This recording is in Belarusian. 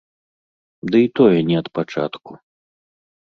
Дый тое не ад пачатку.